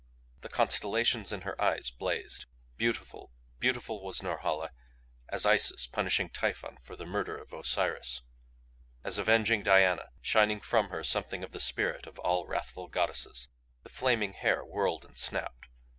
The constellations in her eyes blazed. Beautiful, beautiful was Norhala as Isis punishing Typhon for the murder of Osiris; as avenging Diana; shining from her something of the spirit of all wrathful Goddesses. The flaming hair whirled and snapped.